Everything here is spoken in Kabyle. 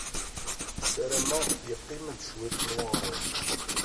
Ssarameɣ yeqqim-d cwiṭ n weɣrum.